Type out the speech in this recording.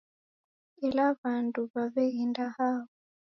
Ela w'andu w'aw'eghenda hao